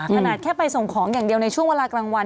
ขนาดแค่ไปส่งของอย่างเดียวในช่วงเวลากลางวัน